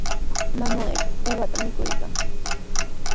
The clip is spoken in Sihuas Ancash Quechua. Manuel uqata mikuykan.